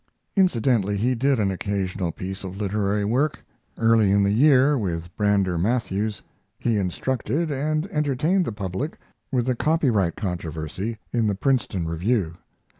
Incidentally he did an occasional piece of literary work. Early in the year, with Brander Matthews, he instructed and entertained the public with a copyright controversy in the Princeton Review.